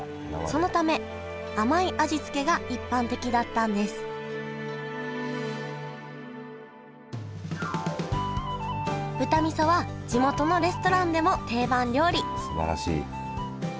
そのため甘い味付けが一般的だったんです豚味噌は地元のレストランでも定番料理すばらしい。